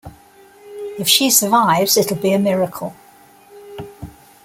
If she survives, it'll be a miracle.